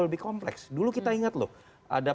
lebih kompleks dulu kita ingat loh ada